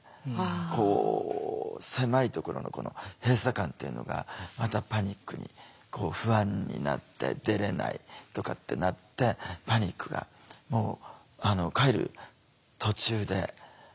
こう狭いところのこの閉鎖感というのがまたパニックに不安になって「出れない」とかってなってパニックが帰る途中で発作になっていき始めて。